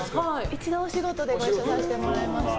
一度お仕事でご一緒させてもらいました。